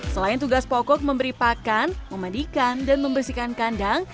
selain tugas pokok memberi pakan memandikan dan membersihkan kandang